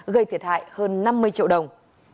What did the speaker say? gây thiệt hại hơn năm mươi triệu đồng